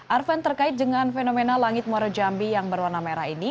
arven terkait dengan fenomena langit muara jambi yang berwarna merah ini